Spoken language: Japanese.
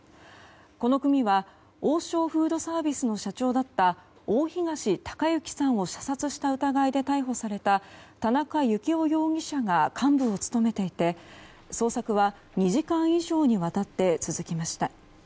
この組は王将フードサービスの社長だった大東隆行さんを射殺した疑いで逮捕された田中幸雄容疑者が幹部を務めていて捜索は２時間以上にわたって続きました。